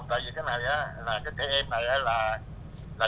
tại vì cái này là